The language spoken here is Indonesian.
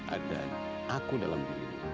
ada aku dalam diri